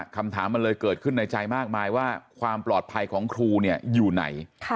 คำถามมันเลยเกิดขึ้นในใจมากมายว่าความปลอดภัยของครูเนี่ยอยู่ไหน